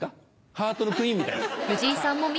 ハートのクイーンみたいです。